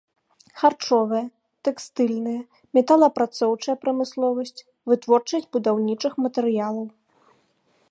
Харчовая, тэкстыльная металаапрацоўчая прамысловасць, вытворчасць будаўнічых матэрыялаў.